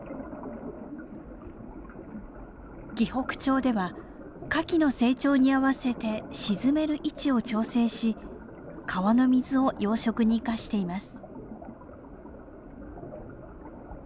紀北町では牡蠣の成長に合わせて沈める位置を調整し川の水を養殖に生かしています。